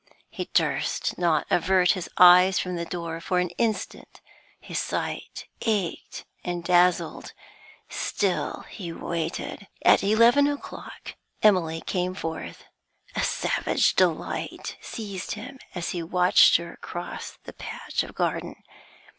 He durst not avert his eyes from the door for an instant; his sight ached and dazzled. Still he waited. At eleven o'clock Emily came forth. A savage delight seized him as he watched her cross the patch of garden.